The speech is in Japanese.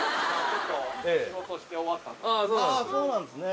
そうなんですか。